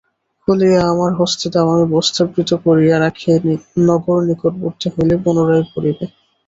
খুলিয়া আমার হস্তে দাও আমি বস্ত্রাবৃত করিয়া রাখি নগর নিকটবর্তী হইলে পুনরায় পরিবে।